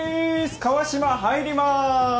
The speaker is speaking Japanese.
川島入ります！